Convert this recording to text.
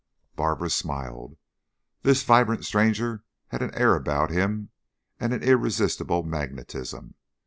Barbara smiled. This vibrant stranger had an air about him and an irresistible magnetism.